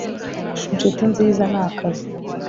Incuti nziza n akazi